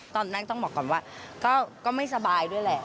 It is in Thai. ตอนแรกต้องบอกก่อนว่าก็ไม่สบายด้วยแหละ